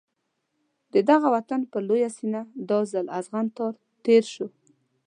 د دغه وطن پر لویه سینه دا ځل اغزن تار تېر شو.